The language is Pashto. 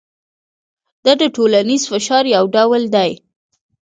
دا د ټولنیز فشار یو ډول دی.